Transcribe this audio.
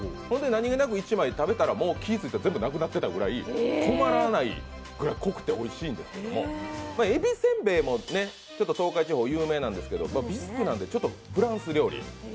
何気なく１枚、食べたら気がついたら全部なくなっていたぐらい止まらなくておいしいんですけどえびせんべいも東海地方、有名なんですけど、ビスクなのでちょっとフランス料理。